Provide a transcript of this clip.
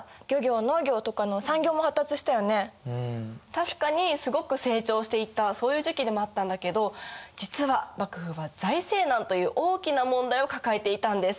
確かにすごく成長していったそういう時期でもあったんだけど実は幕府は財政難という大きな問題を抱えていたんです。